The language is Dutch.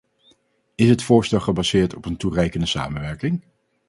Is het voorstel gebaseerd op een toereikende samenwerking?